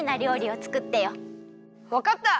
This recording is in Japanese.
わかった！